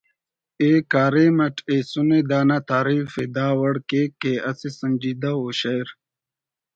ءِ کاریم اٹ ایسنے دانا تعریف ءِ دا وڑ کیک کہ اسہ سنجیدہ ءُ شئیر